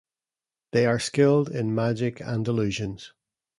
They are skilled in magic and illusions.